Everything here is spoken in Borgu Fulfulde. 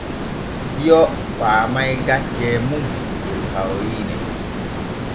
Bio faamay gaccee muuɗum der hawriine.